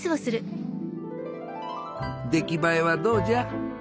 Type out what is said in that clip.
出来栄えはどうじゃ？